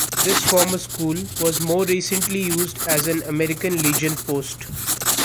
This former school was more recently used as an American Legion post.